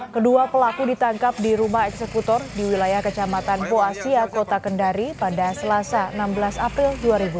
kedua pelaku ditangkap di rumah eksekutor di wilayah kecamatan boasia kota kendari pada selasa enam belas april dua ribu enam belas